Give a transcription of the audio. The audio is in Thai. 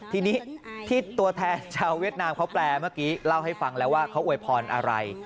ทีนี้ที่ตัวแทนชาวเวียดนามเขาแปลเมื่อกี้เล่าให้ฟังแล้วว่าเขาอวยพรอะไร